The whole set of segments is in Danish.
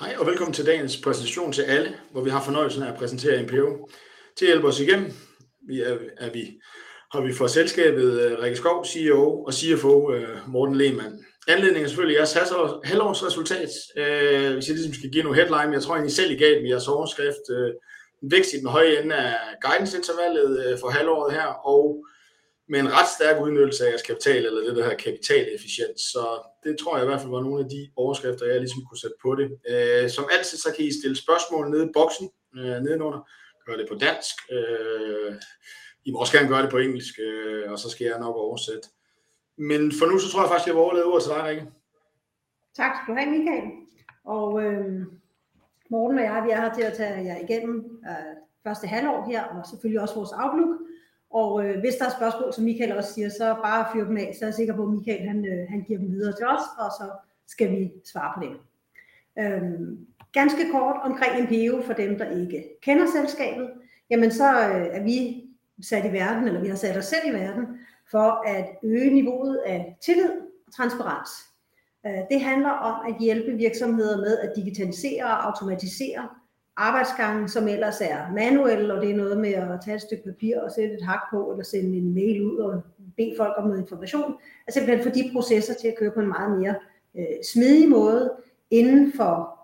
Hej og velkommen til dagens præsentation til alle, hvor vi har fornøjelsen af at præsentere en PEO. Til at hjælpe os igennem har vi fra selskabet Rikke Skov, CEO, og CFO Morten Lehmann. Anledningen er selvfølgelig jeres halvårsresultat. Hvis I skal give nogle headlines, jeg tror egentlig selv I er galt med jeres overskrift. En vækst i den høje ende af guidance-intervallet for halvåret her og med en ret stærk udnyttelse af jeres kapital, eller det der hedder kapitaleffektivt. Det tror jeg i hvert fald var nogle af de overskrifter jeg kunne sætte på det. Som altid kan I stille spørgsmål nede i boksen nedenunder. Gør det på dansk. I må gerne gøre det på engelsk, og så skal jeg nok oversætte. Men for nu tror jeg faktisk jeg vil overlade ordet til dig, Rikke. Tak skal du have Michael og Morten og jeg. Vi er her til at tage jer igennem første halvår her og selvfølgelig også vores outlook. Hvis der er spørgsmål, som Michael også siger, så bare fyr dem af, så er jeg sikker på, at Michael han giver dem videre til os, og så skal vi svare på dem. Ganske kort omkring en peo. For dem, der ikke kender selskabet, jamen så er vi sat i verden. Eller vi har sat os selv i verden for at øge niveauet af tillid og transparens. Det handler om at hjælpe virksomheder med at digitalisere og automatisere arbejdsgange, som ellers er manuel. Og det er noget med at tage et stykke papir og sætte et hak på eller sende en mail ud og bede folk om information og simpelthen få de processer til at køre på en meget mere smidig måde inden for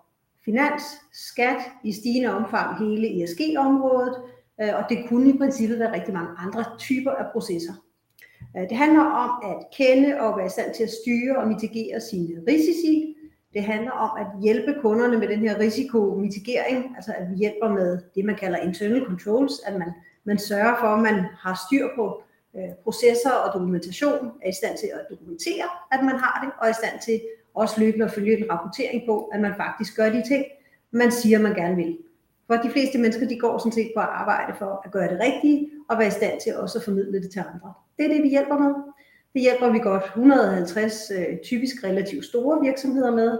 finans skat i stigende omfang. Hele ESG området og det kunne i princippet være rigtig mange andre typer af processer. Det handler om at kende og være i stand til at styre og mitigere sine risici. Det handler om at hjælpe kunderne med den her risiko mitigering, altså at vi hjælper med det, man kalder internal controls. At man sørger for, at man har styr på processer, og dokumentation er i stand til at dokumentere, at man har det og er i stand til også løbende at følge en rapportering på, at man faktisk gør de ting, man siger, man gerne vil. For de fleste mennesker. De går sådan set på arbejde for at gøre det rigtige og være i stand til også at formidle det til andre. Det er det, vi hjælper med. Det hjælper vi godt 150 typisk relativt store virksomheder med,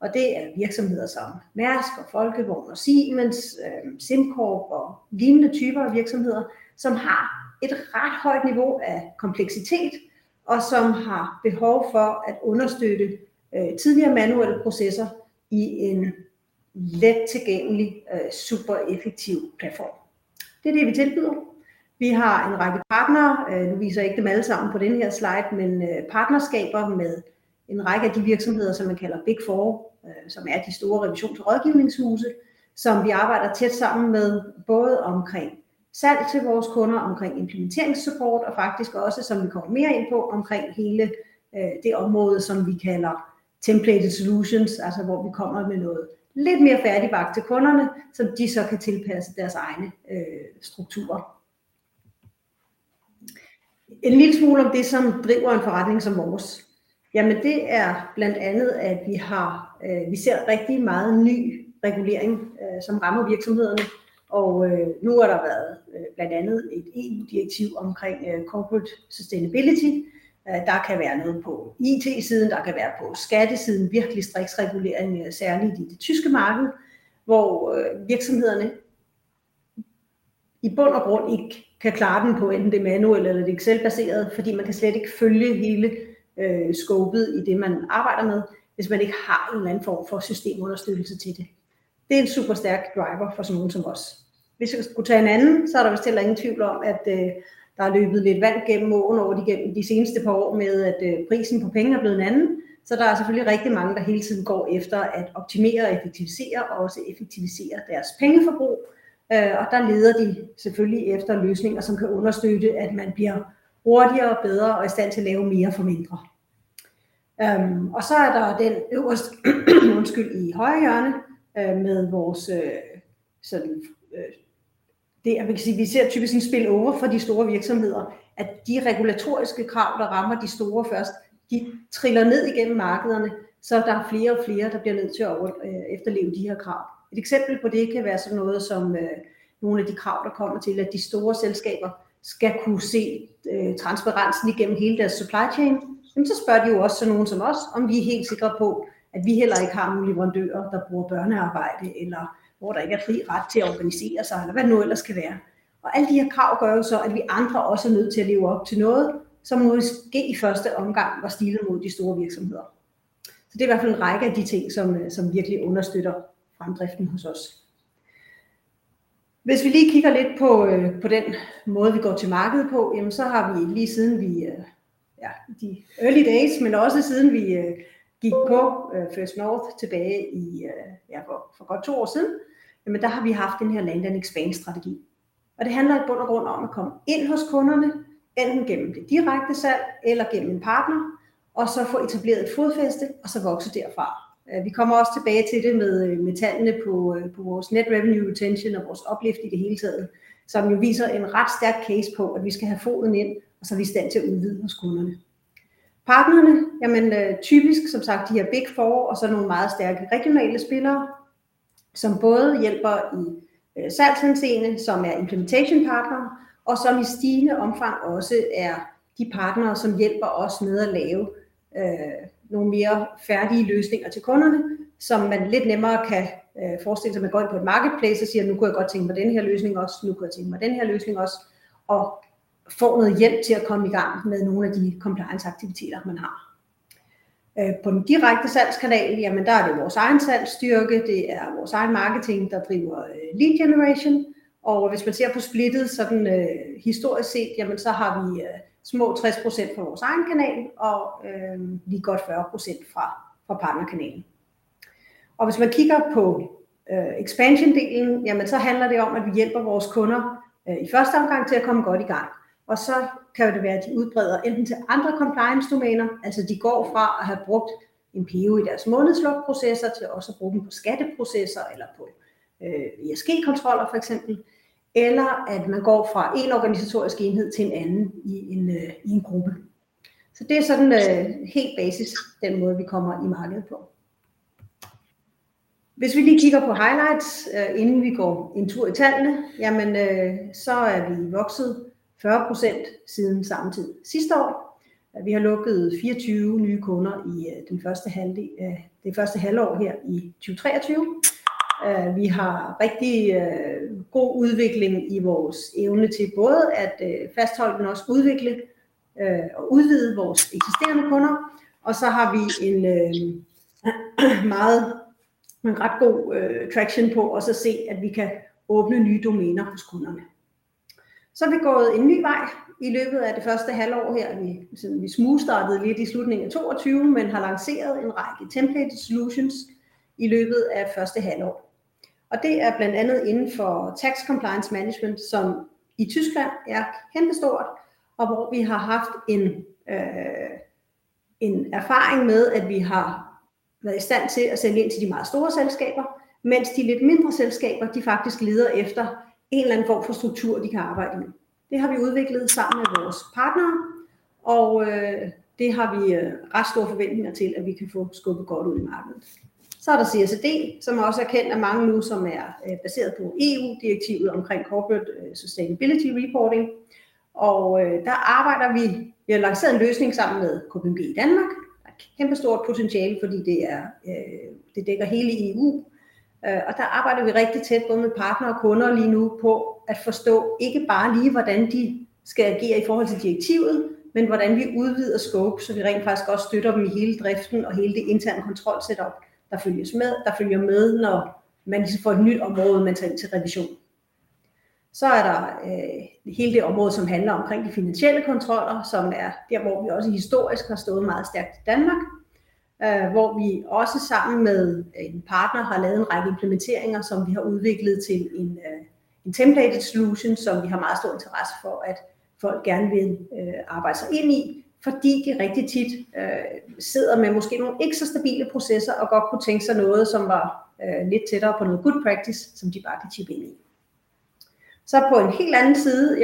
og det er virksomheder som Mærsk og Folkevogn og Siemens, SimCorp og lignende typer af virksomheder, som har et ret højt niveau af kompleksitet, og som har behov for at understøtte tidligere manuelle processer i en let tilgængelig, super effektiv platform. Det er det, vi tilbyder. Vi har en række partnere. Nu viser jeg ikke dem alle sammen på denne her slide, men partnerskaber med en række af de virksomheder, som man kalder Big Four, som er de store revisions- og rådgivningshuse, som vi arbejder tæt sammen med både omkring salg til vores kunder, omkring implementeringssupport og faktisk også, som vi kommer mere ind på omkring hele det område, som vi kalder template solutions, altså hvor vi kommer med noget lidt mere færdigbagt til kunderne, som de så kan tilpasse deres egne strukturer. En lille smule om det, som driver en forretning som vores. Det er blandt andet, at vi har, vi ser rigtig meget ny regulering, som rammer virksomhederne, og nu har der været blandt andet et EU-direktiv omkring corporate sustainability. Der kan være noget på IT-siden, der kan være på skattesiden. Virkelig striks regulering, særligt i det tyske marked, hvor virksomhederne i bund og grund ikke kan klare den på enten det manuelle eller det Excel-baserede, fordi man kan slet ikke følge hele scopet i det, man arbejder med, hvis man ikke har en eller anden form for systemunderstøttelse til det. Det er en super stærk driver for sådan nogle som os. Hvis vi skulle tage en anden, så er der vist heller ingen tvivl om, at der er løbet lidt vand gennem åen de seneste par år med, at prisen på penge er blevet en anden. Så der er selvfølgelig rigtig mange, der hele tiden går efter at optimere og effektivisere og også effektivisere deres pengeforbrug. Og der leder de selvfølgelig efter løsninger, som kan understøtte, at man bliver hurtigere og bedre og i stand til at lave mere for mindre. Og så er der den øverst i højre hjørne med vores sådan. Det kan vi sige. Vi ser typisk en spillover fra de store virksomheder, at de regulatoriske krav, der rammer de store først, de triller ned igennem markederne, så der er flere og flere, der bliver nødt til at efterleve de her krav. Et eksempel på det kan være sådan noget som nogle af de krav, der kommer til, at de store selskaber skal kunne se transparensen igennem hele deres supply chain. Så spørger de jo også sådan nogle som os, om vi er helt sikre på, at vi heller ikke har nogle leverandører, der bruger børnearbejde, eller hvor der ikke er fri ret til at organisere sig, eller hvad det nu ellers kan være. Og alle de her krav gør jo så, at vi andre også er nødt til at leve op til noget, som måske i første omgang var stilet mod de store virksomheder. Så det er i hvert fald en række af de ting, som virkelig understøtter fremdriften hos os. Hvis vi lige kigger lidt på den måde, vi går til markedet på, jamen så har vi, lige siden vi i de early days, men også siden vi gik på First North tilbage i, ja, for godt to år siden, der har vi haft den her landing expand strategi, og det handler i bund og grund om at komme ind hos kunderne enten gennem det direkte salg eller gennem en partner, og så få etableret et fodfæste og så vokse derfra. Vi kommer også tilbage til det med tallene på vores net revenue retention og vores uplift i det hele taget, som jo viser en ret stærk case på, at vi skal have foden ind, og så er vi i stand til at udvide hos kunderne partnerne. Typisk som sagt de her Big Four og så nogle meget stærke regionale spillere, som både hjælper i salgshenseende, som er implementationspartnere, og som i stigende omfang også er de partnere, som hjælper os med at lave nogle mere færdige løsninger til kunderne, som man lidt nemmere kan forestille sig, at man går ind på et marketplace og siger: "Nu kunne jeg godt tænke mig denne her løsning også. Nu kunne jeg tænke mig den her løsning også." Og få noget hjælp til at komme i gang med nogle af de compliance-aktiviteter, man har. På den direkte salgskanal, jamen der er det vores egen salgsstyrke. Det er vores egen marketing, der driver lead generation, og hvis man ser på splittet sådan historisk set, så har vi små 60% på vores egen kanal og lige godt 40% fra partnerkanalen. Og hvis man kigger på expansionsdelen, jamen så handler det om, at vi hjælper vores kunder i første omgang til at komme godt i gang, og så kan det være, at de udbreder enten til andre compliance-domæner. Altså, de går fra at have brugt en PE i deres månedslukning-proces til også at bruge den på skatteprocesser eller på ISK-kontroller for eksempel. Eller at man går fra en organisatorisk enhed til en anden i en gruppe. Så det er sådan helt basis den måde, vi kommer i markedet på. Hvis vi lige kigger på highlights, inden vi går en tur i tallene, jamen så er vi vokset 40% siden samme tid sidste år. Vi har lukket 24 nye kunder i den første halvdel af det første halvår her i 2023. Vi har rigtig god udvikling i vores evne til både at fastholde, men også udvikle og udvide vores eksisterende kunder. Og så har vi en meget, meget god traction på at se, at vi kan åbne nye domæner hos kunderne. Så er vi gået en ny vej i løbet af det første halvår her vi. Vi smugstartede lidt i slutningen af 22, men har lanceret en række template solutions i løbet af første halvår, og det er blandt andet inden for tax compliance management, som i Tyskland er kæmpestort, og hvor vi har haft en erfaring med, at vi har været i stand til at sælge ind til de meget store selskaber, mens de lidt mindre selskaber faktisk leder efter en eller anden form for struktur, de kan arbejde med. Det har vi udviklet sammen med vores partnere, og det har vi ret store forventninger til, at vi kan få skubbet godt ud i markedet. Så er der CSD, som også er kendt af mange nu, som er baseret på EU direktivet omkring corporate sustainability reporting. Og der arbejder vi. Vi har lanceret en løsning sammen med KPMG i Danmark. Der er kæmpestort potentiale, fordi det er. Det dækker hele EU, og der arbejder vi rigtig tæt både med partnere og kunder lige nu på at forstå ikke bare, hvordan de skal agere i forhold til direktivet, men hvordan vi udvider scope, så vi rent faktisk også støtter dem i hele driften og hele det interne kontrol setup, der følger med, når man får et nyt område, man tager ind til revision. Der er hele det område, som handler omkring de finansielle kontroller, som er der, hvor vi også historisk har stået meget stærkt i Danmark, hvor vi også sammen med en partner har lavet en række implementeringer, som vi har udviklet til en template solution, som vi har meget stor interesse for, at folk gerne vil arbejde sig ind i, fordi de rigtig tit sidder med måske nogle ikke så stabile processer og godt kunne tænke sig noget, som var lidt tættere på noget good practice, som de bare kan chippe ind i. På en helt anden side,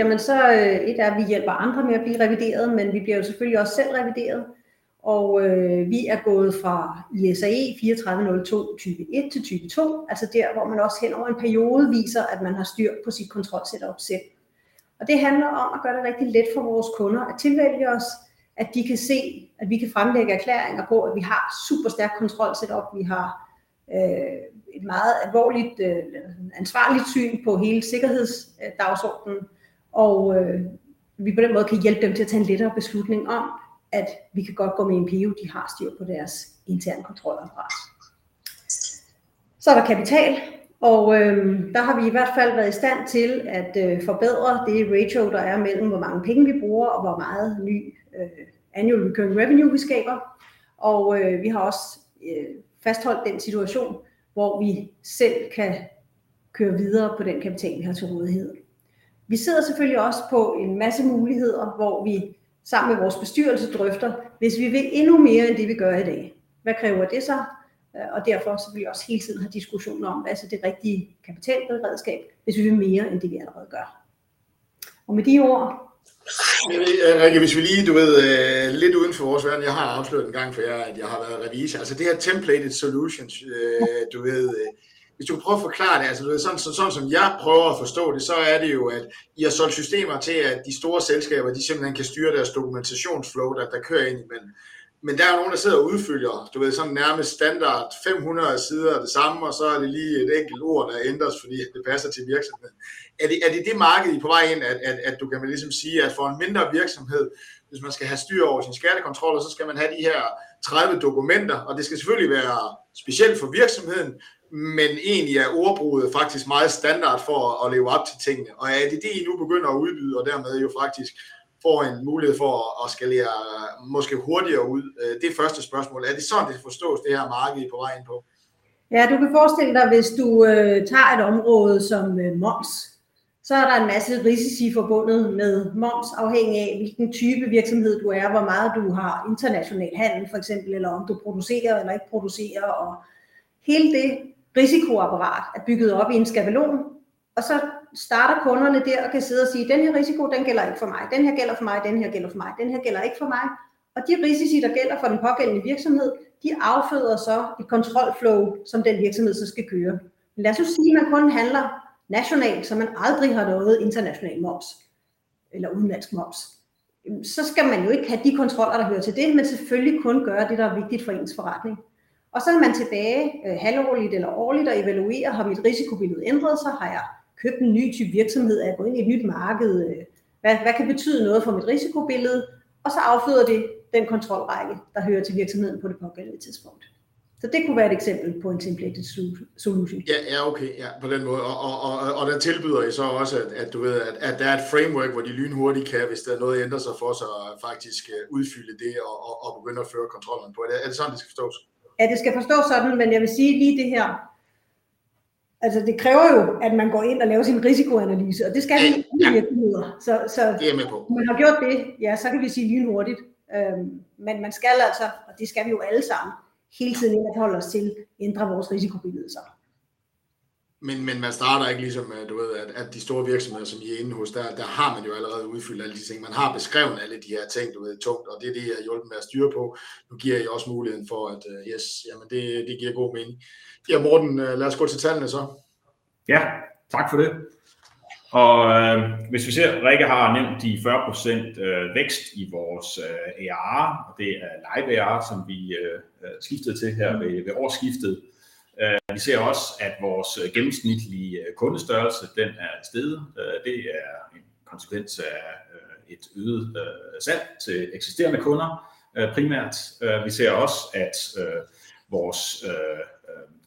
et er, at vi hjælper andre med at blive revideret. Men vi bliver jo selvfølgelig også selv revideret, og vi er gået fra ISAE 3402 type 1 til type 2. Altså der, hvor man også hen over en periode viser, at man har styr på sit kontrol setup selv. Og det handler om at gøre det rigtig let for vores kunder at tilvælge os. At de kan se, at vi kan fremlægge erklæringer på, at vi har super stærkt kontrol setup. Vi har et meget alvorligt ansvarligt syn på hele sikkerhedsdagsorden, og vi på den måde kan hjælpe dem til at tage en lettere beslutning om, at vi kan godt gå med en PE. De har styr på deres interne kontroller fra os. Så er der kapital, og der har vi i hvert fald været i stand til at forbedre det ratio, der er mellem, hvor mange penge vi bruger, og hvor meget ny annual revenue vi skaber. Vi har også fastholdt den situation, hvor vi selv kan køre videre på den kapital, vi har til rådighed. Vi sidder selvfølgelig også på en masse muligheder, hvor vi sammen med vores bestyrelse drøfter. Hvis vi vil endnu mere end det, vi gør i dag, hvad kræver det så? Derfor vil vi også hele tiden have diskussionen om, hvad er så det rigtige kapitalberedskab, hvis vi vil mere end det, vi allerede gør? Og med de ord. Rikke, hvis vi lige, du ved, lidt uden for vores verden. Jeg har afsløret en gang for jer, at jeg har været revisor. Det her template solutions, du ved, hvis du prøver at forklare det. Sådan som jeg prøver at forstå det, så er det jo, at I har solgt systemer til, at de store selskaber de simpelthen kan styre deres dokumentationsflow, der kører ind imellem. Der er nogen, der sidder og udfylder, du ved, sådan nærmest standard 500 sider af det samme, og så er det lige et enkelt ord, der ændres, fordi det passer til virksomheden. Er det det marked, I er på vej ind? At du kan ligesom sige, at for en mindre virksomhed, hvis man skal have styr over sin skattekontrol, så skal man have de her 30 dokumenter. Det skal selvfølgelig være specielt for virksomheden. Men egentlig er ordbruddet faktisk meget standard for at leve op til tingene, og er det det, I nu begynder at udbyde og dermed jo faktisk får en mulighed for at skalere måske hurtigere ud? Det første spørgsmål er det sådan, det forstås, det her marked I er på vej ind på? Ja, du kan forestille dig, hvis du tager et område som moms, så er der en masse risici forbundet med moms, afhængig af hvilken type virksomhed du er, og hvor meget du har international handel for eksempel. Eller om du producerer eller ikke producerer. Hele det risiko apparat er bygget op i en skabelon, og så starter kunderne der og kan sidde og sige denne her risiko, den gælder ikke for mig. Den her gælder for mig. Den her gælder for mig. Den her gælder ikke for mig og de risici, der gælder for den pågældende virksomhed. De afføder så et kontrol flow, som den virksomhed så skal køre. Men lad os nu sige, at man kun handler nationalt, så man aldrig har noget international moms eller udenlandsk moms. Så skal man jo ikke have de kontroller, der hører til det, men selvfølgelig kun gøre det, der er vigtigt for ens forretning. Og så er man tilbage halvårligt eller årligt og evaluere. Har mit risikobillede ændret sig? Har jeg købt en ny type virksomhed? Er jeg gået ind i et nyt marked? Hvad kan betyde noget for mit risikobillede? Og så afføder det den kontrol række, der hører til virksomheden på det pågældende tidspunkt. Så det kunne være et eksempel på en template solution. Ja, okay, på den måde. Og der tilbyder I så også, at du ved, at der er et framework, hvor de lynhurtigt kan, hvis der er noget ændrer sig for sig og faktisk udfylde det og begynde at føre kontrollerne. Er det sådan, det skal forstås? Ja, det skal forstås sådan. Men jeg vil sige lige det her, det kræver jo at man går ind og laver sin risikoanalyse, og det skal man hele tiden gøre. Det er jeg med på. Man har gjort det. Ja, så kan vi sige lynhurtigt. Men man skal altså, og det skal vi jo alle sammen hele tiden forholde os til. Ændrer vores risikobillede sig? Men men, man starter ikke ligesom du ved, at de store virksomheder, som I er inde hos. Der har man jo allerede udfyldt alle de ting. Man har beskrevet alle de her ting tungt, og det er det, I har hjulpet med at styre på. Nu giver I også muligheden for, at yes, det giver god mening. Ja, Morten, lad os gå til tallene så. Ja, tak for det. Hvis vi ser, Rikke har nævnt de 40% vækst i vores AR, og det er live AR, som vi skiftede til her ved årsskiftet. Vi ser også, at vores gennemsnitlige kundestørrelse er steget. Det er en konsekvens af et øget salg til eksisterende kunder primært. Vi ser også, at vores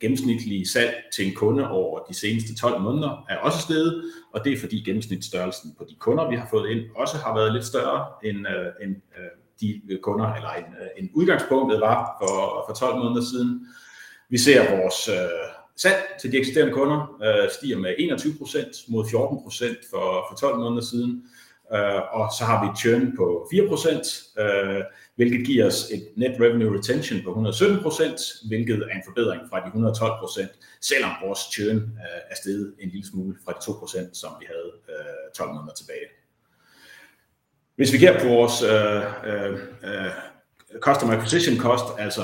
gennemsnitlige salg til en kunde over de seneste 12 måneder er også steget, og det er fordi gennemsnitsstørrelsen på de kunder, vi har fået ind, også har været lidt større end de kunder eller end udgangspunktet var for 12 måneder siden. Vi ser vores salg til de eksisterende kunder stiger med 21% mod 14% for 12 måneder siden. Så har vi en turn på 4%, hvilket giver os et net revenue retention på 117%, hvilket er en forbedring fra de 112%. Selvom vores turn er steget en lille smule fra de 2%, som vi havde 12 måneder tilbage, hvis vi kigger på vores customer position cost, altså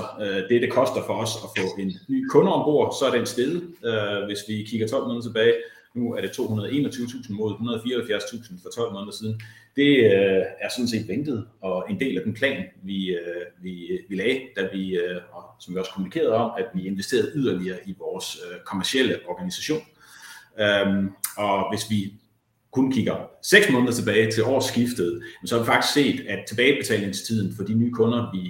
det det koster for os at få en ny kunde om bord, så er den steget. Hvis vi kigger 12 måneder tilbage nu, er det 221.000 mod 174.000 for 12 måneder siden. Det er sådan set ventet og en del af den plan, vi lagde, da vi, og som vi også kommunikerede om, at vi investerede yderligere i vores kommercielle organisation. Hvis vi kun kigger seks måneder tilbage til årsskiftet, så har vi faktisk set, at tilbagebetalingstiden for de nye kunder, vi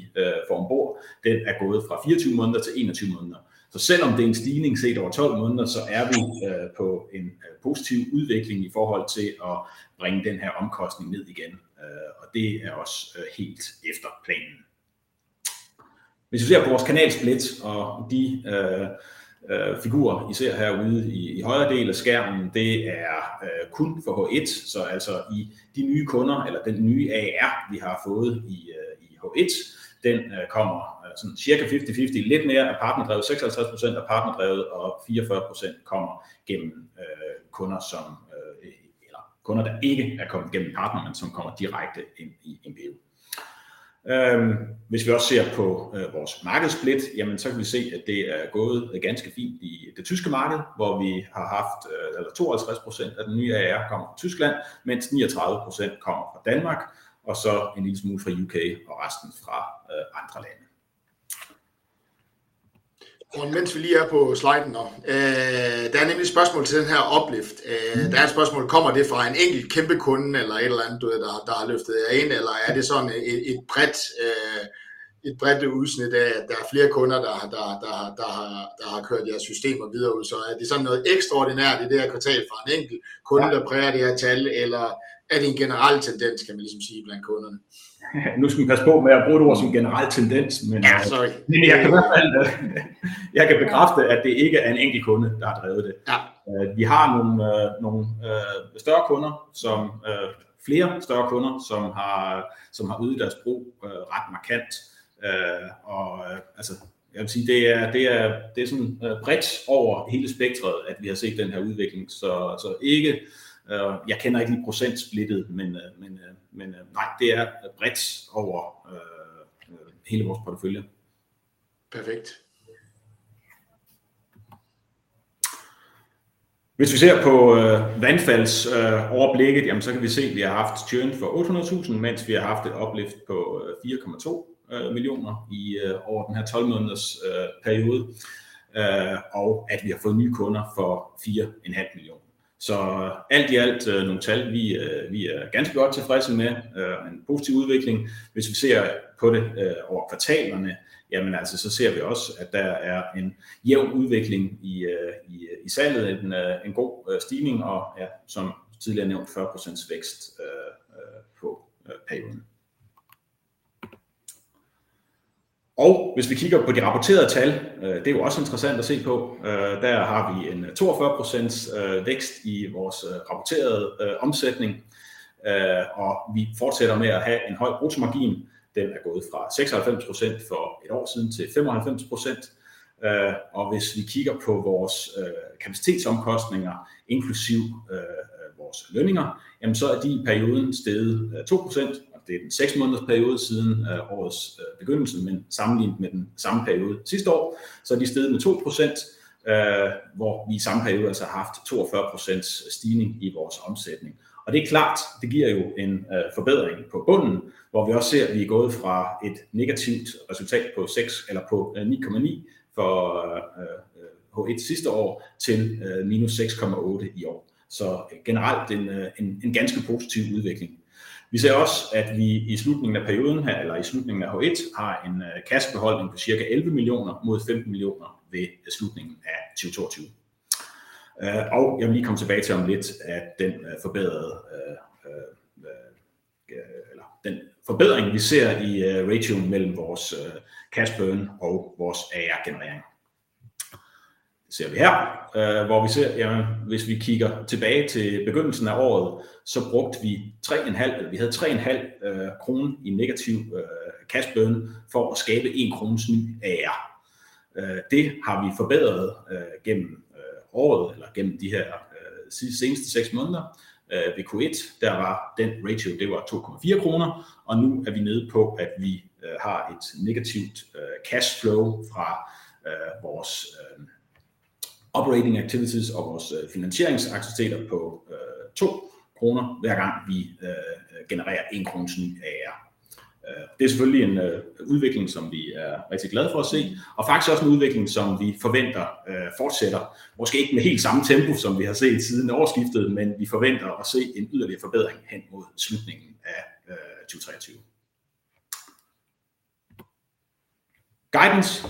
får om bord, den er gået fra 24 måneder til 21 måneder. Selvom det er en stigning set over 12 måneder, så er vi på en positiv udvikling i forhold til at bringe den her omkostning ned igen. Det er også helt efter planen. Hvis vi ser på vores kanal split og de figurer, I ser herude i højre del af skærmen, det er kun for H1. Altså i de nye kunder eller den nye AR vi har fået i H1, den kommer sådan cirka fifty fifty. Lidt mere af partner drevet. 66% er partner drevet, og 44% kommer gennem kunder som eller kunder, der ikke er kommet gennem en partner, men som kommer direkte ind i Inbeo. Hvis vi også ser på vores marked split, jamen så kan vi se, at det er gået ganske fint i det tyske marked, hvor vi har haft. 52% af den nye AR kommer fra Tyskland, mens 39% kommer fra Danmark og så en lille smule fra UK og resten fra andre lande. Og mens vi lige er på sliden, der er nemlig et spørgsmål til den her oplæst. Der er et spørgsmål. Kommer det fra en enkelt kæmpe kunde eller et eller andet, der har løftet jer ind? Eller er det sådan et bredt udsnit af, at der er flere kunder, der har kørt jeres system og videre ud? Så er det sådan noget ekstraordinært i det her kvartal fra en enkelt kunde, der præger de her tal, eller er det en generel tendens, kan man ligesom sige blandt kunderne? Nu skal vi passe på med at bruge et ord som generel tendens, men. Sorry. Jeg kan i hvert fald. Jeg kan bekræfte, at det ikke er en enkelt kunde, der har drevet det. Ja. Vi har nogle større kunder, som flere større kunder, som har udvidet deres brug ret markant. Jeg vil sige, det er det. Er det sådan bredt over hele spektret, at vi har set den her udvikling, så ikke? Jeg kender ikke lige procent splittet. Men nej, det er bredt over hele vores portefølje. Perfekt. Hvis vi ser på vandfald overblikket, så kan vi se, at vi har haft turn for 800.000, mens vi har haft et opløft på 4,2 millioner over den her 12 måneders periode, og at vi har fået nye kunder for fire en halv million. Så alt i alt nogle tal vi er ganske godt tilfredse med en positiv udvikling. Hvis vi ser på det over kvartalerne, jamen så ser vi også, at der er en jævn udvikling i salget. En god stigning og som tidligere nævnt 40% vækst på payroll. Hvis vi kigger på de rapporterede tal, det er jo også interessant at se på. Der har vi en 42% vækst i vores rapporterede omsætning, og vi fortsætter med at have en høj bruttomargin. Den er gået fra 96% for et år siden til 95%. Og hvis vi kigger på vores kapacitetsomkostninger inklusiv vores lønninger, jamen så er de i perioden steget 2%. Det er en seks måneders periode siden årets begyndelse, men sammenlignet med den samme periode sidste år, så er de steget med 2%, hvor vi i samme periode har haft 42% stigning i vores omsætning. Det er klart, det giver jo en forbedring på bunden, hvor vi også ser, at vi er gået fra et negativt resultat på ni komma ni for H1 sidste år til minus seks komma otte i år. Så generelt en ganske positiv udvikling. Vi ser også, at vi i slutningen af perioden eller i slutningen af H1 har en kassebeholdning på cirka elleve millioner mod femten millioner ved slutningen af 2022. Jeg vil lige komme tilbage til om lidt, at den forbedrede. Eller den forbedring, vi ser i ratioet mellem vores cash burn og vores AR generering. Det ser vi her, hvor vi ser, at hvis vi kigger tilbage til begyndelsen af året, så brugte vi tre en halv. Vi havde tre en halv krone i negativ cash burn for at skabe én krones ny AR. Det har vi forbedret gennem året eller gennem de seneste seks måneder. Ved Q1 der var den ratio. Det var 2,4 kroner, og nu er vi nede på, at vi har et negativt cash flow fra vores operating activities og vores finansierings aktiviteter på to kroner, hver gang vi genererer en krone ny AR. Det er selvfølgelig en udvikling, som vi er rigtig glade for at se og faktisk også en udvikling, som vi forventer fortsætter. Måske ikke med helt samme tempo, som vi har set siden årsskiftet, men vi forventer at se en yderligere forbedring hen mod slutningen af 2023. Guidance.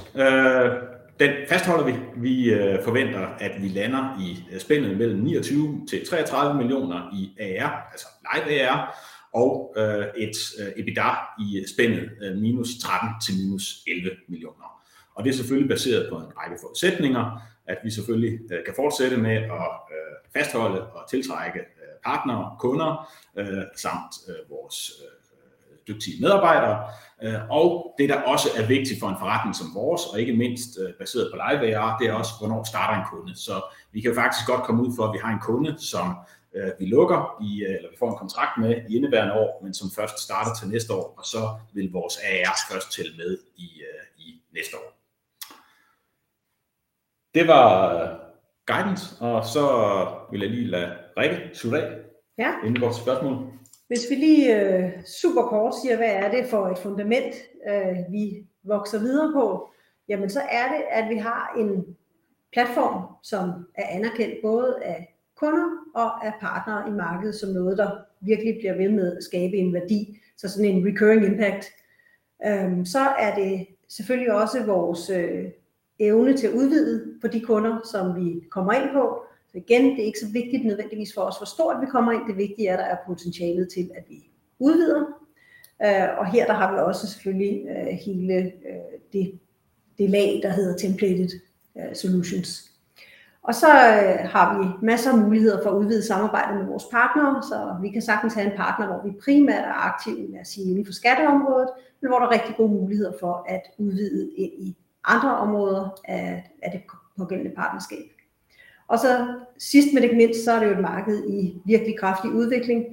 Den fastholder vi. Vi forventer, at vi lander i spændet mellem 29 til 33 millioner i AR, altså live AR og et EBITDA i spændet minus 13 til minus 11 millioner. Det er selvfølgelig baseret på en række forudsætninger. At vi selvfølgelig kan fortsætte med at fastholde og tiltrække partnere og kunder samt vores dygtige medarbejdere. Det, der også er vigtigt for en forretning som vores, og ikke mindst baseret på live AR, det er også hvornår starter en kunde? Vi kan faktisk godt komme ud for, at vi har en kunde, som vi lukker i, eller vi får en kontrakt med i indeværende år, men som først starter til næste år. Og så vil vores AR først tælle med i næste år. Det var guidance. Og så vil jeg lige lade Rikke slutte af inden vores spørgsmål. Hvis vi lige super kort siger, hvad er det for et fundament vi vokser videre på? Jamen, så er det at vi har en platform som er anerkendt både af kunder og af partnere i markedet som noget der virkelig bliver ved med at skabe en værdi. Så sådan en recurring impact. Så er det selvfølgelig også vores evne til at udvide på de kunder som vi kommer ind på. Så igen, det er ikke så vigtigt nødvendigvis for os hvor stort vi kommer ind. Det vigtige er at der er potentialet til at vi udvider. Og her har vi også selvfølgelig hele det lag der hedder Template solutions. Og så har vi masser af muligheder for at udvide samarbejdet med vores partnere, så vi kan sagtens have en partner, hvor vi primært er aktive inden for skatteområdet, men hvor der er rigtig gode muligheder for at udvide ind i andre områder af det pågældende partnerskab. Og så sidst men ikke mindst, så er det jo et marked i virkelig kraftig udvikling.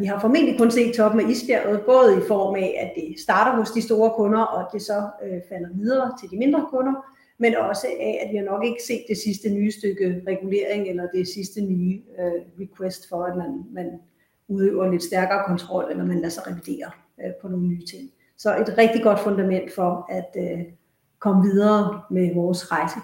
Vi har formentlig kun set toppen af isbjerget. Både i form af, at det starter hos de store kunder, og at det så falder videre til de mindre kunder, men også af, at vi har nok ikke set det sidste nye stykke regulering eller det sidste nye request for, at man udøver lidt stærkere kontrol, eller man lader sig revidere på nogle nye ting. Så et rigtig godt fundament for at komme videre med vores rejse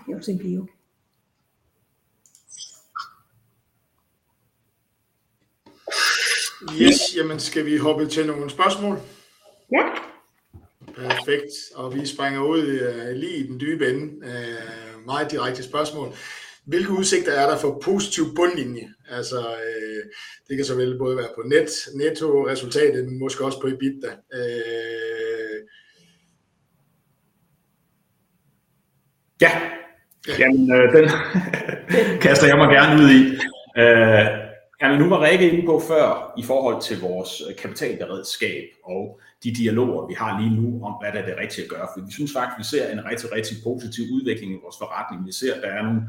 her hos Inpeo. Ja. Skal vi hoppe til nogle spørgsmål? Ja. Perfekt. Og vi springer ud i den dybe ende. Meget direkte spørgsmål. Hvilke udsigter er der for positiv bundlinje? Altså, det kan så vel både være på nettoresultatet, men måske også på EBITDA. Ja, men den kaster jeg mig gerne ud i. Men nu var Rikke inde på før i forhold til vores kapitalberedskab og de dialoger, vi har lige nu om hvad der er det rigtige at gøre. For vi synes faktisk, vi ser en rigtig, rigtig positiv udvikling i vores forretning. Vi ser, at der er nogle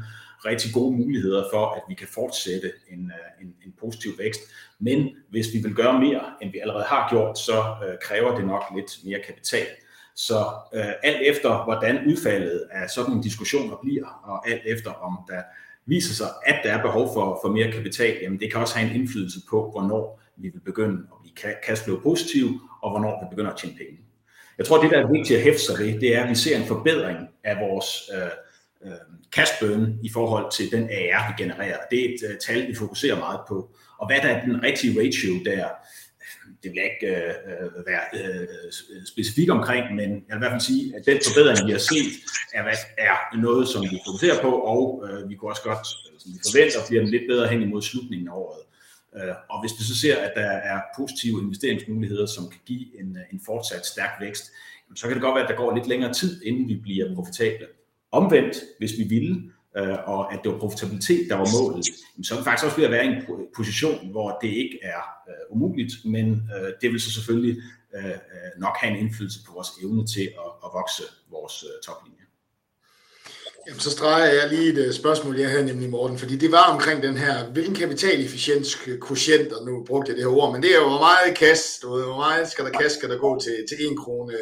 rigtig gode muligheder for, at vi kan fortsætte en positiv vækst. Men hvis vi vil gøre mere, end vi allerede har gjort, så kræver det nok lidt mere kapital. Så alt efter hvordan udfaldet af sådan nogle diskussioner bliver, og alt efter om der viser sig, at der er behov for mere kapital, det kan også have en indflydelse på, hvornår vi vil begynde at blive positiv, og hvornår vi begynder at tjene penge. Jeg tror, det, der er vigtigt at hæfte sig ved, det er, at vi ser en forbedring af vores cash burn i forhold til den AR, vi genererer. Det er et tal, vi fokuserer meget på, og hvad der er den rigtige ratio der. Det vil jeg ikke være specifik omkring, men jeg vil i hvert fald sige, at den forbedring, vi har set, er noget, som vi fokuserer på, og vi kunne også godt. Vi forventer, at den bliver lidt bedre hen imod slutningen af året, og hvis vi så ser, at der er positive investeringsmuligheder, som kan give en fortsat stærk vækst, så kan det godt være, at der går lidt længere tid, inden vi bliver profitable. Omvendt, hvis vi ville, og at det var profitabilitet, der var målet, så er vi faktisk også ved at være i en position, hvor det ikke er umuligt. Men det vil så selvfølgelig nok have en indflydelse på vores evne til at vokse vores top linje. Jamen så streger jeg lige et spørgsmål jeg havde, nemlig Morten, fordi det var omkring den her kapitaleffektivitet kvotient. Nu brugte jeg det ord, men det er jo hvor meget cash, hvor meget cash skal der gå til en krone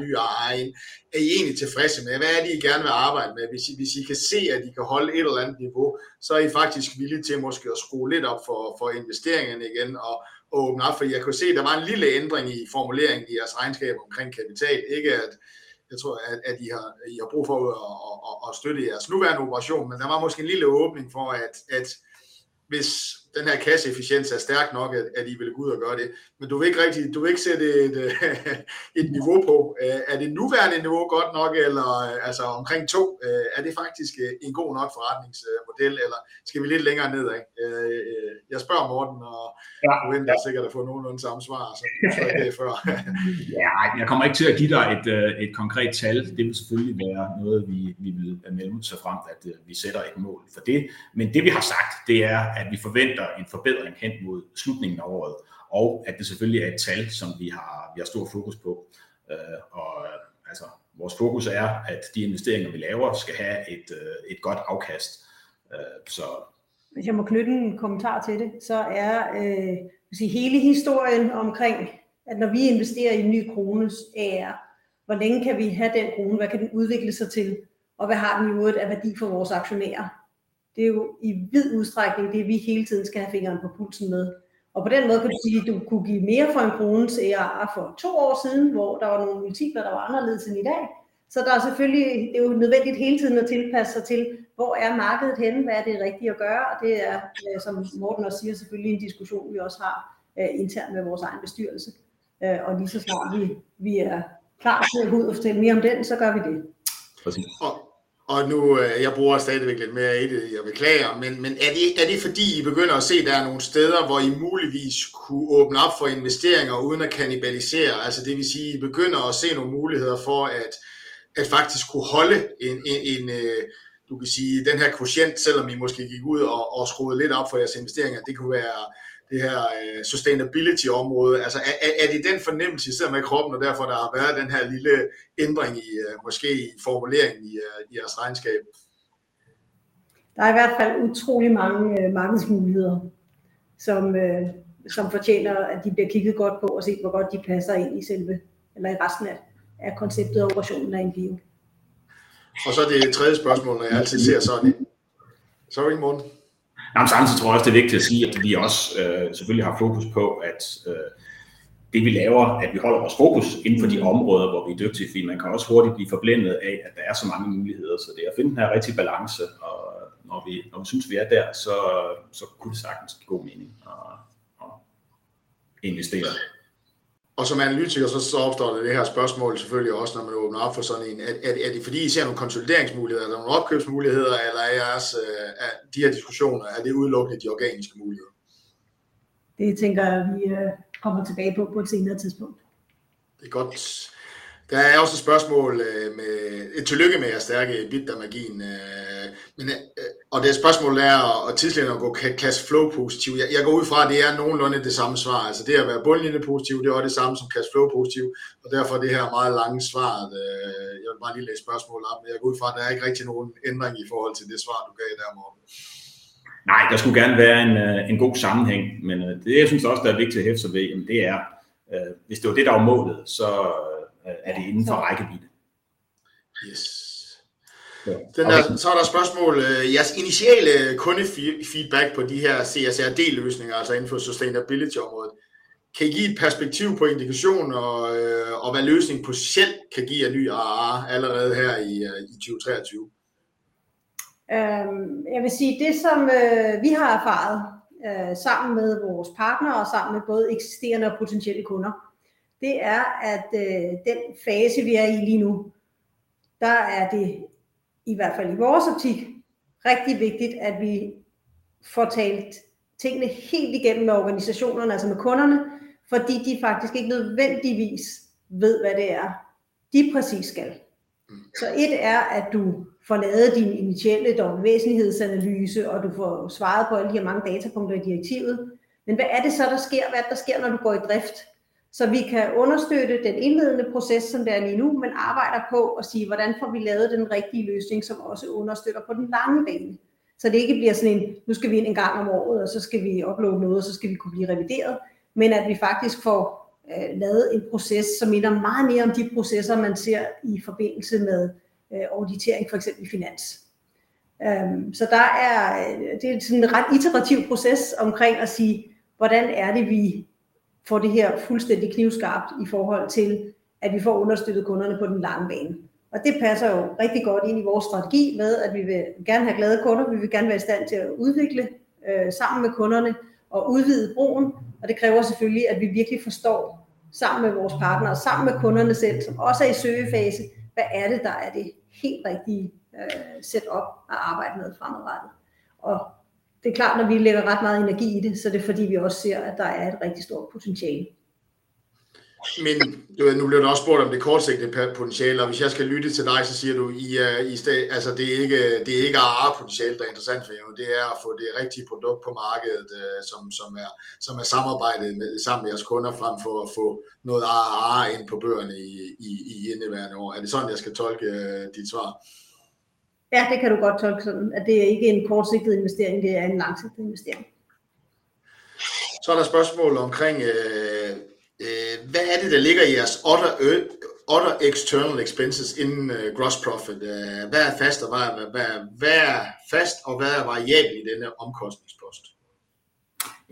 ny og egen. Er I egentlig tilfredse med hvad I gerne vil arbejde med? Hvis I kan se at I kan holde et eller andet niveau, så er I faktisk villig til måske at skrue lidt op for investeringerne igen og åbne op. For jeg kunne se at der var en lille ændring i formuleringen i jeres regnskab omkring kapital. Ikke at jeg tror at I har brug for at støtte jeres nuværende operation, men der var måske en lille åbning for at hvis den her kasse effektivitet er stærk nok, at I ville gå ud og gøre det. Men du vil ikke rigtig. Du vil ikke sætte et niveau på. Er det nuværende niveau godt nok, eller altså omkring to? Er det faktisk en god nok forretningsmodel, eller skal vi lidt længere nedad? Jeg spørger Morten, og du har sikkert fået nogenlunde samme svar, som jeg har før. Ja, jeg kommer ikke til at give dig et konkret tal. Det vil selvfølgelig være noget, vi vil melde ud, såfremt at vi sætter et mål for det. Men det vi har sagt, det er, at vi forventer en forbedring hen mod slutningen af året, og at det selvfølgelig er et tal, som vi har. Vi har stor fokus på, og vores fokus er, at de investeringer, vi laver, skal have et godt afkast. Hvis jeg må knytte en kommentar til det, så er hele historien omkring, at når vi investerer i en ny krones AR, hvor længe kan vi have den krone? Hvad kan den udvikle sig til, og hvad har den i øvrigt af værdi for vores aktionærer? Det er jo i vid udstrækning det, vi hele tiden skal have fingeren på pulsen med. På den måde kan du sige, at du kunne give mere for en krones AR for to år siden, hvor der var nogle multipler, der var anderledes end i dag. Så der er selvfølgelig nødvendigt hele tiden at tilpasse sig til. Hvor er markedet henne? Hvad er det rigtige at gøre? Det er, som Morten også siger, selvfølgelig en diskussion, vi også har internt med vores egen bestyrelse. Og lige så snart vi er klar til at gå ud og fortælle mere om den, så gør vi det. Og nu. Jeg bruger stadigvæk lidt mere end det, jeg beklager. Men er det ikke? Er det, fordi I begynder at se, at der er nogle steder, hvor I muligvis kunne åbne op for investeringer uden at kannibalisere? Altså det vil sige, I begynder at se nogle muligheder for at faktisk kunne holde en. Du kan sige den her kvotient, selvom I måske gik ud og skruede lidt op for jeres investeringer. Det kunne være det her sustainability område. Altså, er det den fornemmelse, I sidder med i kroppen, og derfor der har været den her lille ændring i måske formuleringen i jeres regnskab? Der er i hvert fald utrolig mange markedsmuligheder, som fortjener, at de bliver kigget godt på og set, hvor godt de passer ind i selve eller i resten af konceptet og operationen af Insero. Og så det tredje spørgsmål, når jeg altid ser sådan en, så er det i morgen. Samtidig tror jeg også, det er vigtigt at sige, at vi også selvfølgelig har fokus på, at det vi laver, at vi holder vores fokus inden for de områder, hvor vi er dygtige. For man kan også hurtigt blive forblændet af, at der er så mange muligheder. Så det at finde den rigtige balance, og når vi synes, vi er der, så kunne det sagtens give god mening at investere. Og som analytiker, så opstår der det her spørgsmål selvfølgelig også, når man åbner op for sådan en. Er det, fordi I ser nogle konsolideringsmuligheder eller nogle opkøbsmuligheder? Eller er jeres af de her diskussioner? Er det udelukkende de organiske muligheder? Det tænker jeg, at vi kommer tilbage på på et senere tidspunkt. Det er godt. Der er også et spørgsmål med et tillykke med jeres stærke EBITDA-margin. Men, og det er spørgsmålet er og titlen om at gå cash flow positiv. Jeg går ud fra, at det er nogenlunde det samme svar. Altså det at være bundlinjen positiv, det er det samme som cash flow positiv og derfor det her meget lange svar. Jeg vil bare lige læse spørgsmålet op. Jeg går ud fra, at der er ikke rigtig nogen ændring i forhold til det svar, du gav der Morten. Nej, der skulle gerne være en god sammenhæng, men det synes jeg også, der er vigtigt at hæfte sig ved. Det er, hvis det var det, der var målet, så er det inden for rækkevidde. Ja. Så er der et spørgsmål. Jeres initielle kundefeedback på de her CSR-delløsninger, altså inden for sustainability-området, kan give et perspektiv på indikation og hvad løsningen potentielt kan give af ny ARR allerede her i 2023. Jeg vil sige det, som vi har erfaret sammen med vores partnere og sammen med både eksisterende og potentielle kunder. Det er, at den fase vi er i lige nu, der er det i hvert fald i vores optik rigtig vigtigt, at vi får talt tingene helt igennem med organisationerne, altså med kunderne, fordi de faktisk ikke nødvendigvis ved, hvad det er, de præcis skal. Så et er, at du får lavet din initielle due diligence væsentlighedsanalyse, og du får svaret på alle de her mange datapunkter i direktivet. Men hvad er det så, der sker? Hvad er det, der sker, når du går i drift, så vi kan understøtte den indledende proces, som det er lige nu, men arbejder på at sige hvordan får vi lavet den rigtige løsning, som også understøtter på den lange bane, så det ikke bliver sådan en? Nu skal vi ind en gang om året, og så skal vi uploade noget, og så skal vi kunne blive revideret. Men at vi faktisk får lavet en proces, som minder meget mere om de processer, man ser i forbindelse med auditering, for eksempel i finans. Så der er det en ret iterativ proces omkring at sige hvordan er det, vi får det her fuldstændig knivskarpt i forhold til, at vi får understøttet kunderne på den lange bane? Og det passer jo rigtig godt ind i vores strategi med, at vi vil gerne have glade kunder. Vi vil gerne være i stand til at udvikle sammen med kunderne og udvide broen. Og det kræver selvfølgelig, at vi virkelig forstår sammen med vores partnere og sammen med kunderne selv, som også er i søgefase. Hvad er det, der er det helt rigtige setup at arbejde med fremadrettet? Og det er klart, når vi lægger ret meget energi i det, så er det, fordi vi også ser, at der er et rigtig stort potentiale. Men nu bliver der også spurgt om det kortsigtede potentiale, og hvis jeg skal lytte til dig, så siger du i dag altså det er ikke. Det er ikke potentiale, der er interessant for jer. Det er at få det rigtige produkt på markedet, som er samarbejdet sammen med jeres kunder, frem for at få noget ARR ind på bøgerne i indeværende år. Er det sådan, jeg skal tolke dit svar? Ja, det kan du godt tolke sådan, at det er ikke en kortsigtet investering. Det er en langsigtet investering. Så er der et spørgsmål omkring, hvad er det, der ligger i jeres other external expenses inden gross profit? Hvad er fast og hvad er variabelt i denne omkostningspost?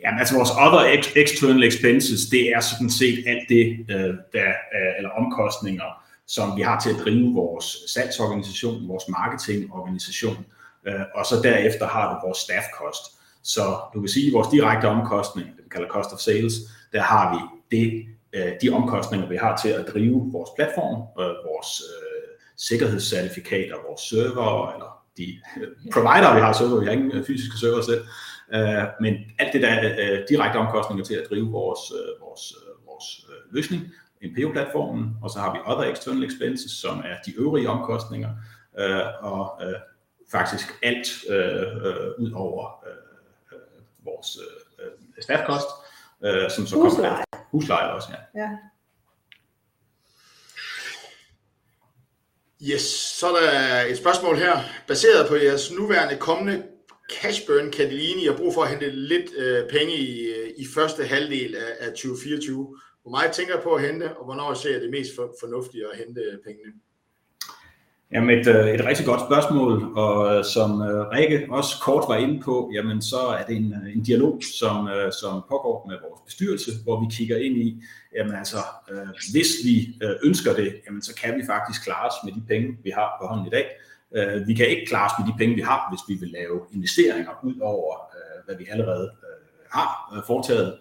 Jamen altså, vores other external expenses, det er sådan set alt det der eller omkostninger, som vi har til at drive vores salgsorganisation, vores marketingorganisation og så derefter har du vores staff cost. Så du kan sige i vores direkte omkostninger, det vi kalder cost of sales, der har vi de omkostninger, vi har til at drive vores platform og vores sikkerhedscertifikater og vores servere eller de provider vi har server. Vi har ingen fysiske servere selv, men alt det der er direkte omkostninger til at drive vores løsning, en platform. Og så har vi other external expenses, som er de øvrige omkostninger og faktisk alt ud over vores staff cost, som så kommer. Husleje. Husleje også. Ja. Ja. Så er der et spørgsmål her. Baseret på jeres nuværende kommende cash burn, kan det ligne I har brug for at hente lidt penge i første halvdel af 2024. Hvor meget tænker I på at hente, og hvornår ser I det mest fornuftigt at hente pengene? Jamen et rigtig godt spørgsmål og som Rikke også kort var inde på, jamen så er det en dialog, som pågår med vores bestyrelse, hvor vi kigger ind i. Altså, hvis vi ønsker det, jamen så kan vi faktisk klare os med de penge, vi har på hånden i dag. Vi kan ikke klare os med de penge, vi har, hvis vi vil lave investeringer ud over, hvad vi allerede har foretaget.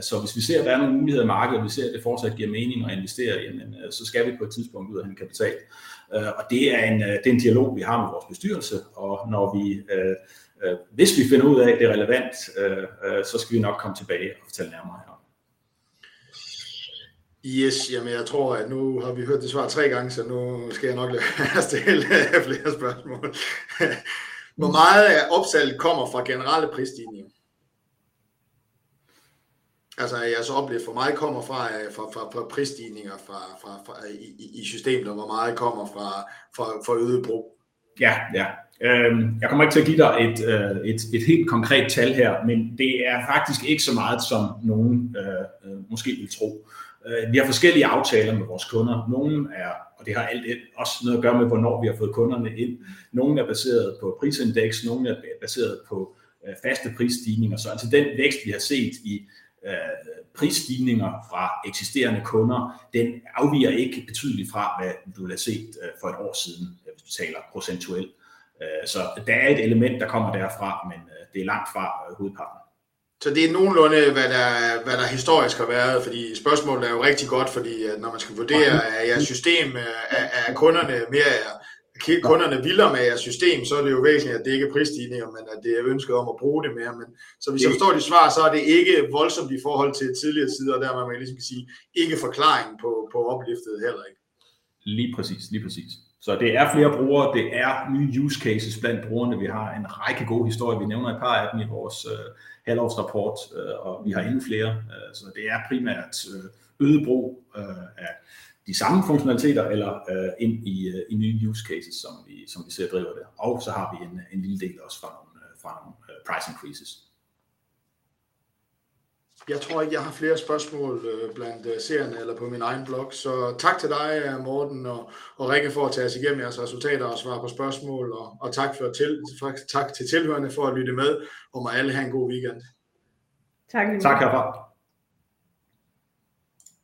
Så hvis vi ser, at der er nogle muligheder i markedet, og vi ser, at det fortsat giver mening at investere, jamen så skal vi på et tidspunkt ud og hente kapital. Og det er den dialog, vi har med vores bestyrelse. Og når vi, hvis vi finder ud af, at det er relevant, så skal vi nok komme tilbage og fortælle nærmere herom. Ja, men jeg tror, at nu har vi hørt det svar tre gange, så nu skal jeg nok stille flere spørgsmål. Hvor meget af opslaget kommer fra generelle prisstigninger? Altså jeres oplevet hvor meget kommer fra prisstigninger fra systemet, og hvor meget kommer fra øget brug? Ja ja. Jeg kommer ikke til at give dig et helt konkret tal her, men det er faktisk ikke så meget, som nogen måske vil tro. Vi har forskellige aftaler med vores kunder. Nogle er, og det har også noget at gøre med, hvornår vi har fået kunderne ind. Nogle er baseret på prisindeks, nogle er baseret på faste prisstigninger. Altså, den vækst, vi har set i prisstigninger fra eksisterende kunder, den afviger ikke betydeligt fra, hvad du ville have set for et år siden. Hvis vi taler procentuelt, så der er et element, der kommer derfra. Men det er langt fra hovedparten. Det er nogenlunde, hvad der historisk har været. Fordi spørgsmålet er jo rigtig godt, fordi når man skal vurdere jeres system, er kunderne mere... Er kunderne vilde med jeres system, så er det jo væsentligt, at det ikke er prisstigninger, men at det er ønsket om at bruge det mere. Men som jeg forstår dit svar, så er det ikke voldsomt i forhold til tidligere tider, og dermed kan man ligesom sige ikke forklaringen på upliftet heller ikke. Lige præcis. Lige præcis. Så det er flere brugere. Det er nye use cases blandt brugerne. Vi har en række gode historier. Vi nævner et par af dem i vores halvårsrapport, og vi har endnu flere. Så det er primært øget brug af de samme funktionaliteter eller ind i nye use cases, som vi ser driver det. Og så har vi en lille del også fra nogle price increases. Jeg tror ikke, jeg har flere spørgsmål blandt seerne eller på min egen blok. Så tak til dig Morten og Rikke for at tage os igennem jeres resultater og svare på spørgsmål. Tak for til. Tak! Tak til tilhørerne for at lytte med og må alle have en god weekend. Tak. Tak herfra! Tak.